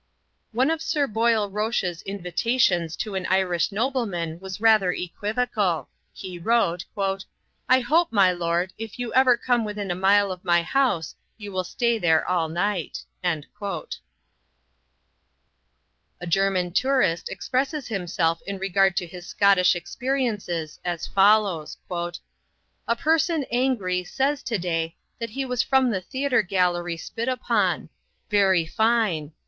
One of Sir Boyle Roche's invitations to an Irish nobleman was rather equivocal. He wrote, "I hope, my lord, if you ever come within a mile of my house you will stay there all night." A German tourist expresses himself in regard to his Scottish experiences as follows: "A person angry says to day that he was from the theatre gallary spit upon. Very fine.